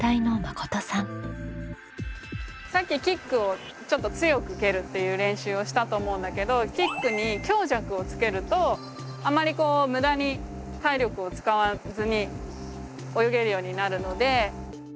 さっきキックをちょっと強く蹴るっていう練習をしたと思うんだけどキックに強弱をつけるとあまりこう無駄に体力を使わずに泳げるようになるので。